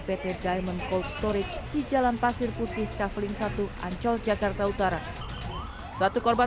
pt diamond cold storage di jalan pasir putih kaveling satu ancol jakarta utara satu korban